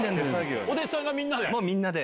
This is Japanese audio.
お弟子さんがみんなで？